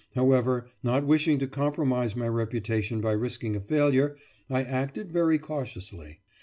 However, not wishing to compromise my reputation by risking a failure, I acted very cautiously.